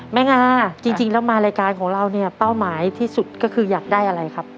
งาจริงแล้วมารายการของเราเนี่ยเป้าหมายที่สุดก็คืออยากได้อะไรครับ